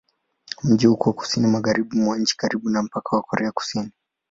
Mji uko kusini-magharibi mwa nchi, karibu na mpaka na Korea ya Kusini.